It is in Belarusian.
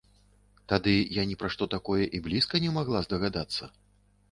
Тады я ні пра што такое і блізка не магла здагадацца.